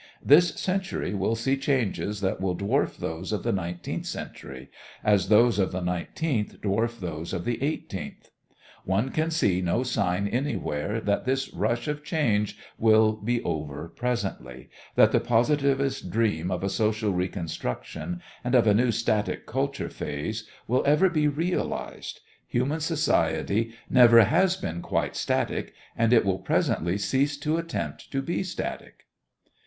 This century will see changes that will dwarf those of the nineteenth century, as those of the nineteenth dwarf those of the eighteenth. One can see no sign anywhere that this rush of change will be over presently, that the positivist dream of a social reconstruction and of a new static culture phase will ever be realized. Human society never has been quite static, and it will presently cease to attempt to be static.